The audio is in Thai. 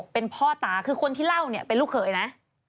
เป็นพ่อตาคือคนที่เล่าเนี่ยเป็นลูกเขยนะ